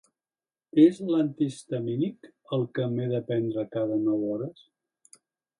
És l'antihistamínic el què m'he de prendre cada nou hores?